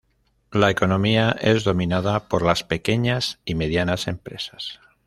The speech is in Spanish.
La economía es dominada por las pequeñas y medianas empresas.